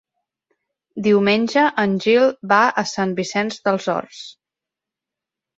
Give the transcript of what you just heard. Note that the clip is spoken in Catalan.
Diumenge en Gil va a Sant Vicenç dels Horts.